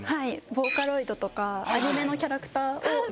ボーカロイドとかアニメのキャラクターを。